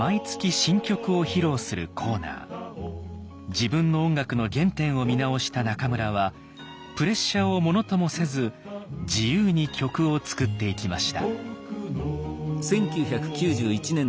自分の音楽の原点を見直した中村はプレッシャーをものともせず自由に曲を作っていきました。